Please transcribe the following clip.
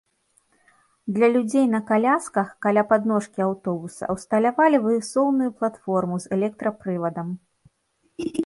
Для людзей на калясках каля падножкі аўтобуса ўсталявалі высоўную платформу з электрапрывадам.